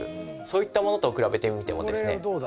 そういったものと比べてみてもですね